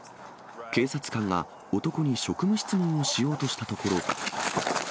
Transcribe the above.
警察官が男に職務質問をしようとしたところ。